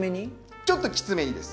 ちょっときつめにです。